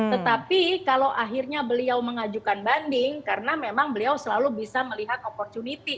tetapi kalau akhirnya beliau mengajukan banding karena memang beliau selalu bisa melihat opportunity